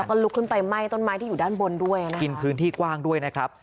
ก็ลุกขึ้นไปไหม้ต้นไม้ที่อยู่ด้านบนด้วยนะครับกินพื้นที่กว้างด้วยนะครับ